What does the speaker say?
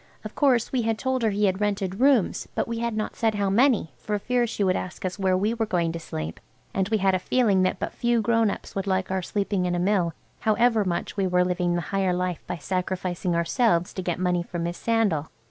Of course we had told her he had rented rooms, but we had not said how many, for fear she should ask where we were going to sleep, and we had a feeling that but few grown ups would like our sleeping in a mill, however much we were living the higher life by sacrificing ourselves to get money for Miss Sandal.